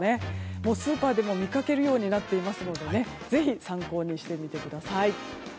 もうスーパーでも見かけるようになっていますのでぜひ、参考にしてみてください。